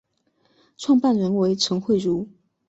创办人为陈惠如。